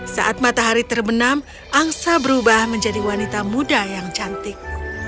saat matahari terbenam angsa berubah menjadi wanita muda yang cantik